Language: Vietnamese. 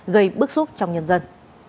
gây bức xúc trong nhân dân